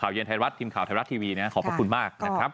เย็นไทยรัฐทีมข่าวไทยรัฐทีวีนะขอบพระคุณมากนะครับ